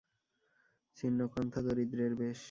ছিন্ন কন্থা দরিদ্রের বেশ।